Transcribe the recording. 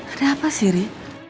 ada apa sih ri